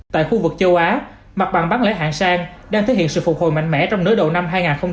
tại khu vực châu á mặt bằng bán lẻ hạng sang đang thể hiện sự phục hồi mạnh mẽ trong nới đầu năm hai nghìn hai mươi ba